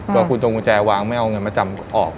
ก็คุณจงกุญแจวางไม่เอาเงินมาจำออก